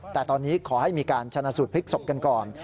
แต่ตอนนี้ขอให้มีการชนะสูตรพลิกศพกันก่อน